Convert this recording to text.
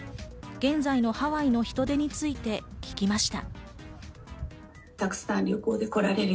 現在のハワイの人出について聞きました。